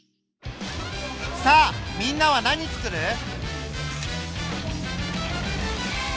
さあみんなは何つくる？